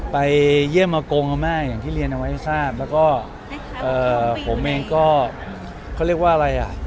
ไปเยี่ยมอาโกงอาม่าอย่างที่เรียนเอาไว้ให้ทราบแล้วก็ผมเองก็เขาเรียกว่าอะไรอ่ะ